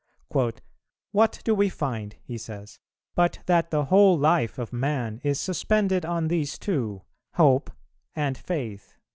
"What do we find," he says, "but that the whole life of man is suspended on these two, hope and faith?"